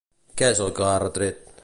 Què és el que ha retret?